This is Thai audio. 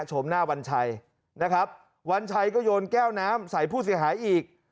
ชมหน้าวัญชัยนะครับวันชัยก็โยนแก้วน้ำใส่ผู้เสียหายอีก